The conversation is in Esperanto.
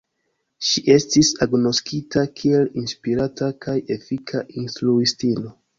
Ŝi estis agnoskita kiel inspirata kaj efika instruistino.